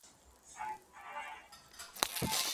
ژوند د عبرتونو یو بې پایه سمندر دی.